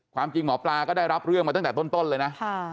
ความจริงหมอปลาก็ได้รับเรื่องมาตั้งแต่ต้นเลยนะ